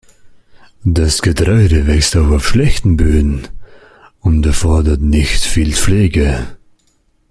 Das Getreide wächst auch auf schlechten Böden und erfordert nicht viel Pflege.